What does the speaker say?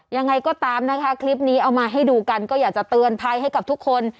ยังไงก็ตามนะคะคลิปนี้เอามาให้ดูกันก็อยากจะเตือนภัยให้กับทุกคน